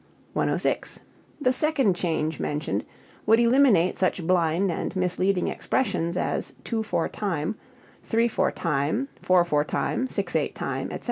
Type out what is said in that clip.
106. The second change mentioned would eliminate such blind and misleading expressions as "two four time," "three four time," "four four time," "six eight time," etc.